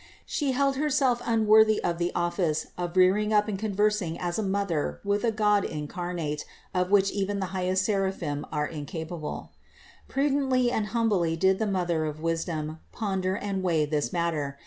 She held Herself unworthy of the office of rearing up and conversing as a Mother with a God incarnate of which even the highest seraphim are incapable. Prudently and humbly did the Mother of wisdom ponder and weigh this matter.